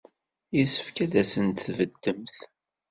Yessefk ad asent-tbeddemt.